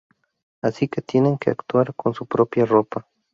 Así que tienen que actuar con su propia ropa.